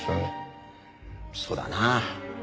そうだな。